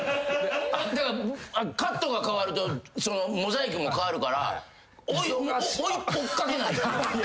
だからカットが変わるとモザイクも変わるから追っかけないといけない。